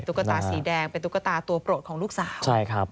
ตุ๊กตาสีแดงเป็นตุ๊กตาตัวโปรดของลูกสาว